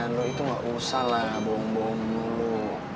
lu itu gak usah lah bohong bohong lu